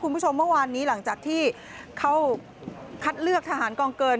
คุณผู้ชมเมื่อวานนี้หลังจากที่เข้าคัดเลือกทหารกองเกิน